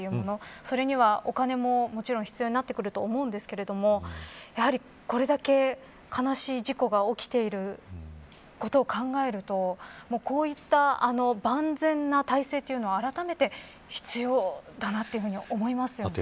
それには、お金も、もちろん必要になってくると思うんですけどこれだけ悲しい事故が起きていることを考えると、こういった万全な体制というのはあらためて必要だなと思いますよね。